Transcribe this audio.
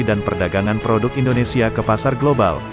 dan perdagangan produk indonesia ke pasar global